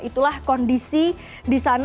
itulah kondisi di sana